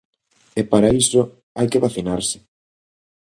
E para iso, hai que vacinarse.